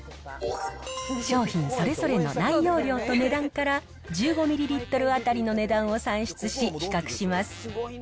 商品それぞれの内容量と値段から、１５ミリリットル当たりの値段を算出し、比較します。